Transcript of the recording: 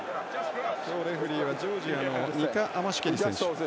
レフリーはジョージアのニカ・アマシュケリさん。